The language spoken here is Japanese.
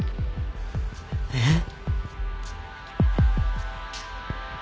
えっ？